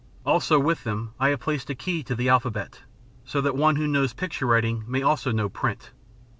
Also, with them, I have placed a key to the alphabet, so that one who knows picture writing may also know print.